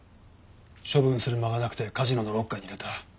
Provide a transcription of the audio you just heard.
処分する間がなくてカジノのロッカーに入れた。